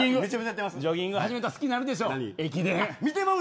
ジョギング始めたら好きになるでしょ、駅伝。